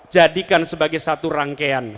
jadikan sebagai satu rangkaian